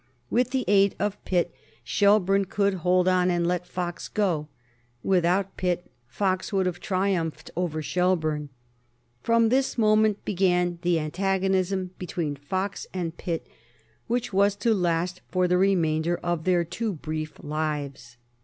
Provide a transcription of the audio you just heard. With the aid of Pitt, Shelburne could hold on and let Fox go; without Pitt, Fox would have triumphed over Shelburne. From this moment began the antagonism between Fox and Pitt which was to last for the remainder of their too brief lives.